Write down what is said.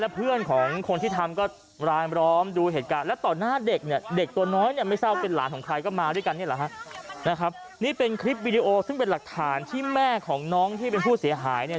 ปอริโอซึ่งเป็นหลักฐานที่แม่ของน้องที่เป็นผู้เสียหายเนี่ย